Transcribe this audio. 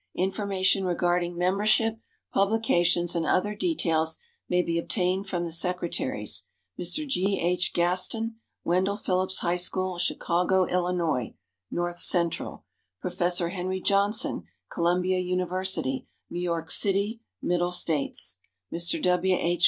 Information regarding membership, publications, and other details may be obtained from the secretaries: Mr. G. H. Gaston, Wendell Phillips High School, Chicago, Ill. (North Central); Professor Henry Johnson, Columbia University, New York City (Middle States); Mr. W. H.